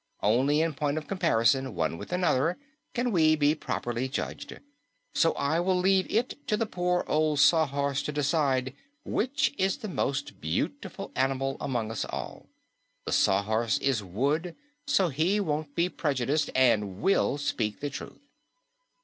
Only in point of comparison, one with another, can we be properly judged, so I will leave it to the poor old Sawhorse to decide which is the most beautiful animal among us all. The Sawhorse is wood, so he won't be prejudiced and will speak the truth."